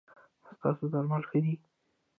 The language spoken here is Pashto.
ایا ستاسو درمل ښه دي؟